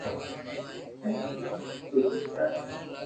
ھين اوري مڪي ھوئي جائي ھي